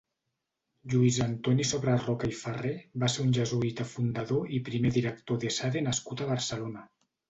Lluís Antoni Sobreroca i Ferrer va ser un jesuïta fundador i primer director d'Esade nascut a Barcelona.